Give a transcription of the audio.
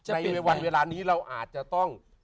ในวันเวลานี้เราอาจจะต้อง